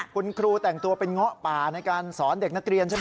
คุณครูแต่งตัวเป็นเงาะป่าในการสอนเด็กนักเรียนใช่ไหม